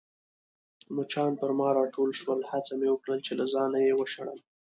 مچان پر ما راټول شول، هڅه مې وکړل چي له ځانه يې وشړم.